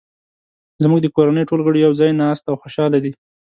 زموږ د کورنۍ ټول غړي یو ځای ناست او خوشحاله دي